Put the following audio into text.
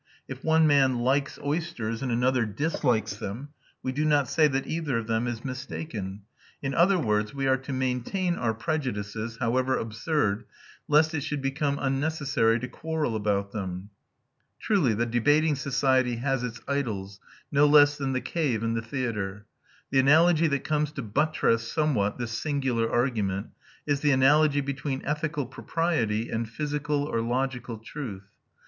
If one man likes oysters and another dislikes them, we do not say that either of them is mistaken." In other words, we are to maintain our prejudices, however absurd, lest it should become unnecessary to quarrel about them! Truly the debating society has its idols, no less than the cave and the theatre. The analogy that comes to buttress somewhat this singular argument is the analogy between ethical propriety and physical or logical truth.